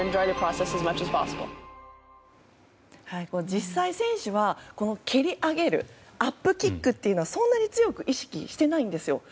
実際、選手は蹴り上げるアップキックというのはそんなに強く意識していないんですよ。